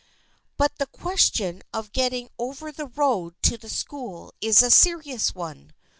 But the question of getting over the road to the school is a serious one.